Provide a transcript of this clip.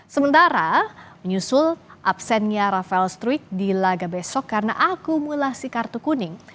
sementara menyusul absennya rafael struik di laga besok karena akumulasi kartu kuning